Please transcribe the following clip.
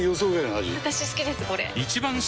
私好きですこれ！